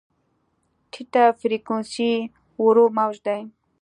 ټیټه فریکونسي ورو موج دی.